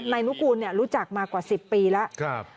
นุกูลรู้จักมากว่า๑๐ปีแล้ว